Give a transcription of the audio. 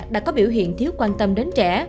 đã có biểu hiện thiếu quan tâm đến trẻ